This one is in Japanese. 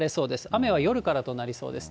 雨は夜からとなりそうです。